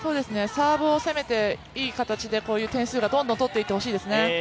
サーブを攻めていい形で、こういう点数をどんどん取っていってほしいですね。